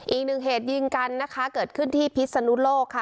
อีกหนึ่งเหตุยิงกันนะคะเกิดขึ้นที่พิษนุโลกค่ะ